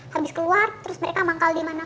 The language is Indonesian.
habis keluar terus mereka manggal di mana